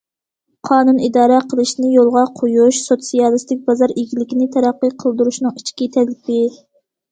قانۇن ئىدارە قىلىشنى يولغا قويۇش سوتسىيالىستىك بازار ئىگىلىكىنى تەرەققىي قىلدۇرۇشنىڭ ئىچكى تەلىپى.